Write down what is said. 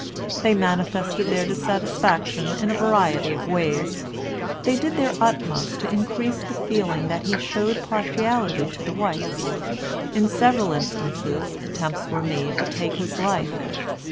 They manifested their dissatisfaction in a variety of ways. They did their utmost to increase the feeling that he showed partiality to the whites. In several instances attempts were made to take his life.